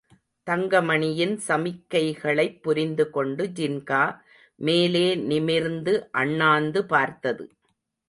தங்கமணியின் சமிக்கைகளைப் புரிந்துகொண்டு ஜின்கா மேலே நிமிர்ந்து அண்ணாந்து பார்த்தது.